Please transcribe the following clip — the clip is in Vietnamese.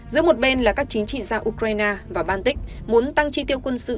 giữa một bên là các chính trị gia ukraine và baltic muốn tăng chi tiêu quân sự